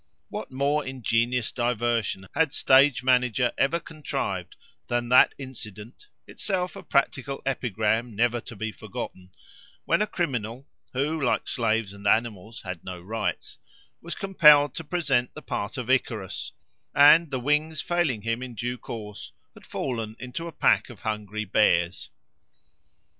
What more ingenious diversion had stage manager ever contrived than that incident, itself a practical epigram never to be forgottten, when a criminal, who, like slaves and animals, had no rights, was compelled to present the part of Icarus; and, the wings failing him in due course, had fallen into a pack of hungry bears?